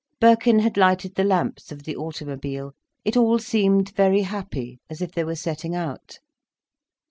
Birkin had lighted the lamps of the automobile. It all seemed very happy, as if they were setting out.